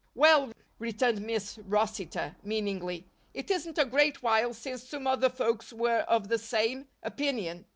"Well," returned Miss Rossitor, meaningly, "it isn't a great while since some other folks were of the same opinion.